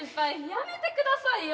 やめてくださいよ！